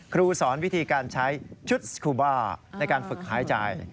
ครูสอนวิธีการใช้ชุดสครูบ้าในการฝึกหายใจ